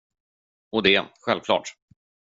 Och det, självklart.